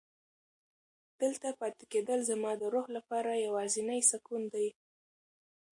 دلته پاتې کېدل زما د روح لپاره یوازینی سکون دی.